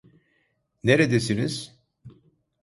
Neredesiniz?